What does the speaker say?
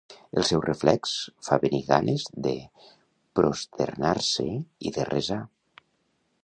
El seu reflex fa venir ganes de prosternar-se i de resar.